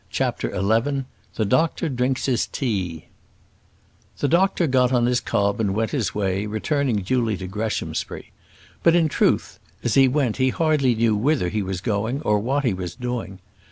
CHAPTER XI The Doctor Drinks His Tea The doctor got on his cob and went his way, returning duly to Greshamsbury. But, in truth, as he went he hardly knew whither he was going, or what he was doing.